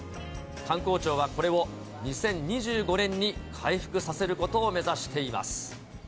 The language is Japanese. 観光庁はこれを２０２５年に回復させることを目指しています。